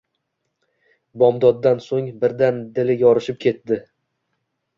Bomdoddan so‘ng birdan dili yorishib ketdi